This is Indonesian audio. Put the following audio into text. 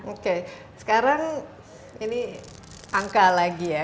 oke sekarang ini angka lagi ya